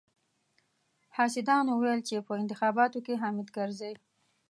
حاسدانو ويل چې په انتخاباتو کې حامد کرزي.